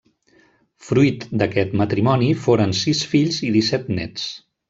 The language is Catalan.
Fruit d'aquest matrimoni foren sis fills i disset néts.